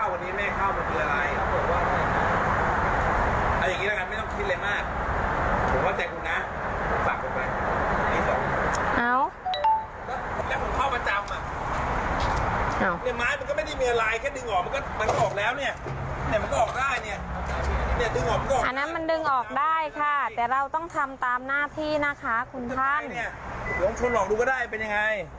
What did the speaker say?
อันนั้นมันดึงออกได้ค่ะแต่เราต้องทำตามหน้าที่นะคะคุณท่าน